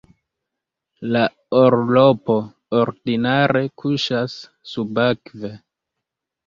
La orlopo ordinare kuŝas subakve.